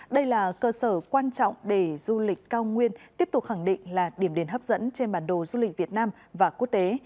đây là cơ sở quan trọng để du lịch cao nguyên tiếp tục khẳng định là điểm đến hấp dẫn trên bản đồ du lịch việt nam và quốc tế